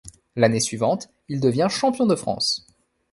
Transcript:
L'année suivante, il devient champion de France.